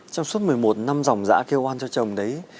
trong suốt một mươi một năm dòng giã kêu oan cho chồng đấy